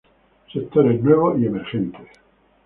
Sectores Nuevos y Emergentes.